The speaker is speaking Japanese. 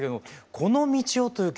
「この道を」という曲